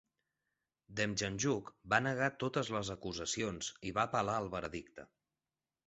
Demjanjuk va negar totes les acusacions i va apel·lar el veredicte.